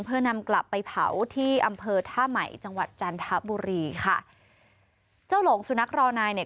เพื่อนำกลับไปเผาที่อำเภอท่าใหม่จังหวัดจันทบุรีค่ะเจ้าหลงสุนัขรอนายเนี่ย